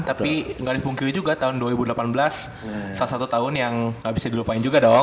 tapi nggak dipungkiri juga tahun dua ribu delapan belas salah satu tahun yang gak bisa dilupain juga dong